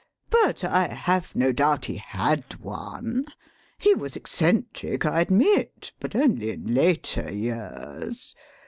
But I have no doubt he had one. He was eccentric, I admit. But only in later years.